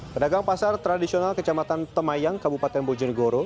pedagang pasar tradisional kecamatan temayang kabupaten bojonegoro